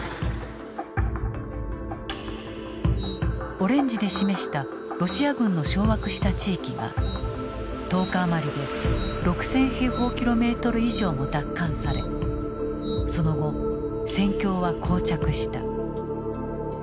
オレンジで示したロシア軍の掌握した地域が１０日余りで６，０００平方キロメートル以上も奪還されその後戦況は膠着した。